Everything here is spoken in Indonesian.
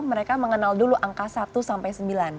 mereka mengenal dulu angka satu sampai sembilan